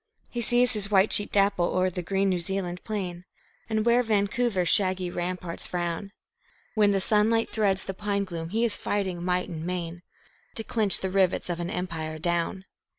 He sees his white sheep dapple o'er the green New Zealand plain, And where Vancouver's shaggy ramparts frown, When the sunlight threads the pine gloom he is fighting might and main To clinch the rivets of an Empire down.